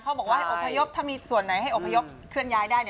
บอกว่าให้อบพยพถ้ามีส่วนไหนให้อบพยพเคลื่อนย้ายได้